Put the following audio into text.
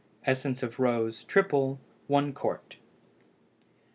Essence of rose (triple) 1 qt.